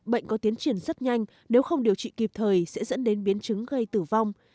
bệnh có tiến triển rất nhanh nếu không điều trị kịp thời sẽ dẫn đến biến chứng gây tử vong